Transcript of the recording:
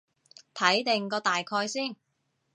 睇定個大概先